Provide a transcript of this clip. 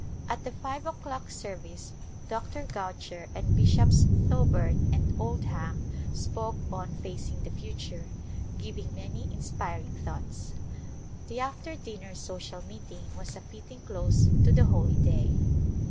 At the five o'clock service Dr. Goucher and Bishops Thoburn and Oldham spoke on " Facing the Future," giving many inspiring thoughts. The after dinner social meeting was a fitting close to the holy day.